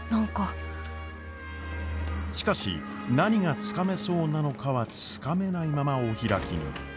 しかし何がつかめそうなのかはつかめないままお開きに。